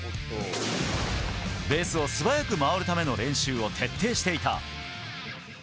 ベースを素早く回るための練習を徹底していた。